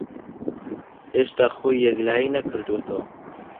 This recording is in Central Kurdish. ھێشتا خۆی یەکلایی نەکردووەتەوە.